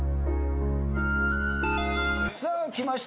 さあきました。